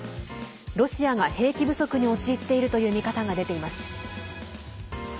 ロシアが兵器不足に陥っているという見方が出ています。